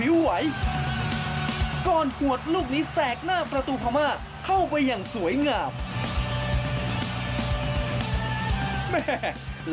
นึงนาทีมีเฮวันนี้นะครับไปร่วมแสดงความยินดีกับประตูแรกในนามทีมชาติไทยของเจ้าปิโป้